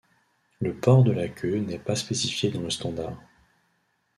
Le port de la queue n'est pas spécifié dans le standard.